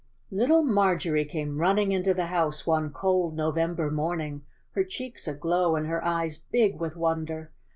Little Marjorie came running into the house one cold November morning, her cheeks aglow and her eyes big with wonder.